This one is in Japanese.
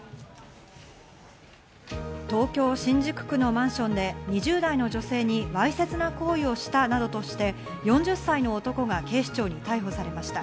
東京・新宿区のマンションで２０代の女性にわいせつな行為をしたなどとして、４０歳の男が警視庁に逮捕されました。